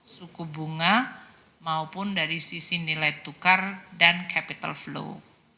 suku bunga maupun dari sisi nilai tukar dan capital flow